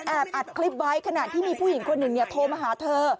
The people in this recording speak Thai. อัดอัดคลิปไว้ขณะที่มีผู้หญิงคนหนึ่งโทรมาหาเธอ